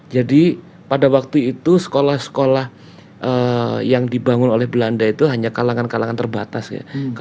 jadi pada waktu itu sekolah sekolah yang dibangun oleh belanda itu hanya kalangan kalangan terbatas ya